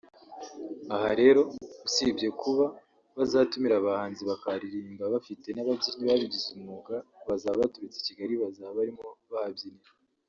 Aha rero usibye kuba bazatumira abahanzi bakaharirimbira bafite n’ababyinnyi babigize umwuga bazaba baturutse Kigali bazaba barimo bahabyinira